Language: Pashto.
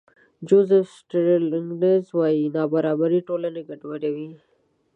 جوزف سټېګلېټز وايي نابرابري ټولنه ګډوډوي.